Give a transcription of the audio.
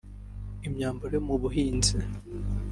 imyambaro yo mu buhinzi